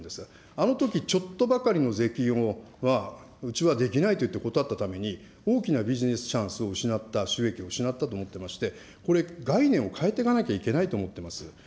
あのとき、ちょっとばかりの税金は、うちはできないと言って断ったために、大きなビジネスチャンスを失った、収益を失ったと思っていまして、これ、概念を変えていかなきゃいけないと思ってます。